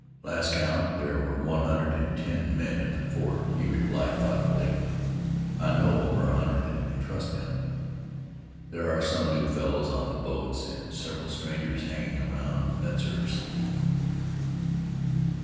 "Last count there were one hundred and ten men at the fort," he replied thoughtfully. "I know over a hundred, and can trust them. There are some new fellows on the boats, and several strangers hanging round Metzar's."